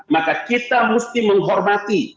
maka kita mesti menghormati